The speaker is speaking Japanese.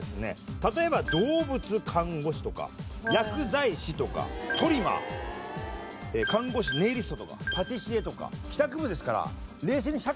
例えば動物看護師とか薬剤師とかトリマー看護師ネイリストとかパティシエとか帰宅部ですから。